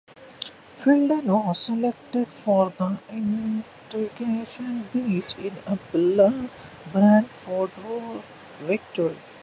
Fielden was selected for the interchange bench in Bradford's victory.